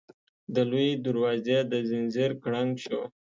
د لويي دروازې د ځنځير کړنګ شو.